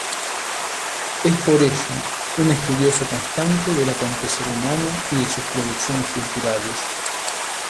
Es por ello un estudioso constante del acontecer humano y de sus producciones culturales.